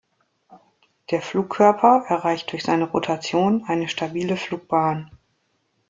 Der Flugkörper erreicht durch seine Rotation eine stabile Flugbahn.